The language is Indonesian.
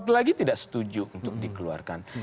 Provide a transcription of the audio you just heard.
lagi tidak setuju untuk dikeluarkan